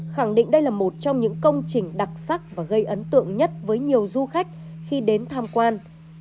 khẳng định đây là một trong những công trình đặc sắc và gây ấn tượng nhất với nhiều du khách khi đến tham quan